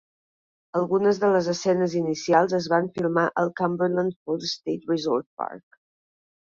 Algunes de les escenes inicials es van filmar al Cumberland Falls State Resort Park.